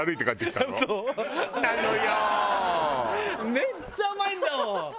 めっちゃうまいんだもん。